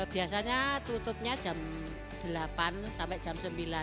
biasanya tutupnya jam delapan sampai jam sembilan